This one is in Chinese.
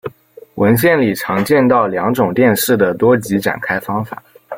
文献里常见到两种电势的多极展开方法。